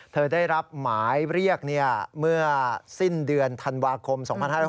ได้รับหมายเรียกเมื่อสิ้นเดือนธันวาคม๒๕๕๙